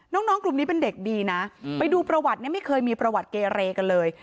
น้องกลุ่มนี้เป็นเด็กดีนะไปดูประวัติเนี่ยไม่เคยมีประวัติเกเรกันเลย